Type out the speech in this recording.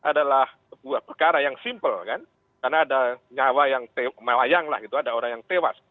adalah sebuah perkara yang simpel kan karena ada nyawa yang melayang lah gitu ada orang yang tewas